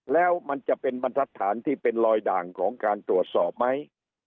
แล้วมันจะเป็นบรรทัศน์ที่เป็นรอยด่างของการตรวจสอบไหม